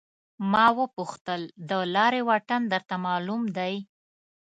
ما وپوښتل د لارې واټن درته معلوم دی.